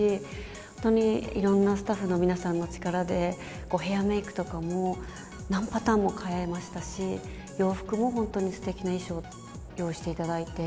本当にいろんなスタッフの皆さんの力で、ヘアメークとかも何パターンも変えましたし、洋服も本当にすてきな衣装を用意していただいて。